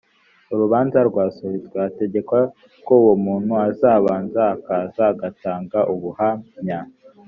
urubanza rwasubitswe hategekwa ko uwo muntu azabanza kuza agatanga ubuhanya